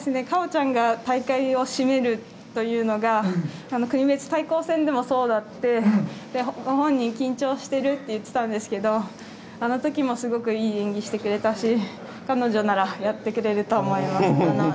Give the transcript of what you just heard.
かおちゃんが大会を締めるというのが国別対抗戦でもそうで本人緊張してるって言ってたんですけどあの時もすごくいい演技をしてくれたし彼女ならやってくれると思います。